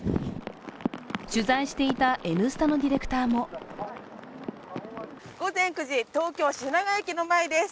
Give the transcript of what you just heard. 取材していた「Ｎスタ」のディレクターも午前９時、東京・品川駅の前です。